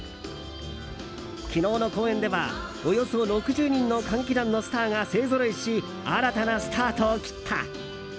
昨日の公演では、およそ６０人の歌劇団のスターが勢ぞろいし新たなスタートを切った。